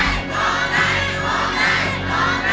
ร้องได้ร้องได้ร้องได้ร้องได้